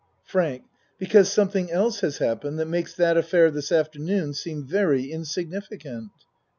FRANK Because something else has happened that makes that affair this afternoon seem very in significant.